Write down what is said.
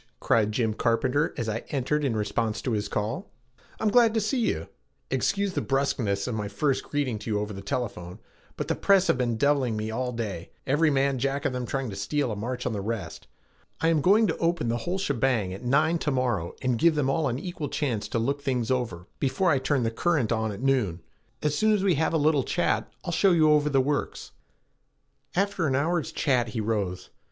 cried Jim Carpenter as I entered in response to his call. "I'm glad to see you. Excuse the bruskness of my first greeting to you over the telephone, but the press have been deviling me all day, every man jack of them trying to steal a march on the rest. I am going to open the whole shebang at nine to morrow and give them all an equal chance to look things over before I turn the current on at noon. As soon as we have a little chat, I'll show you over the works." After half an hour's chat he rose.